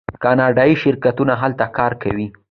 کاناډایی شرکتونه هلته کار کوي.